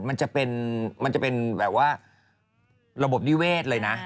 มันจะเป็นแบบว่าระบบนิเวศเลยนะ